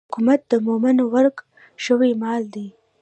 حکمت د مومن ورک شوی مال دی.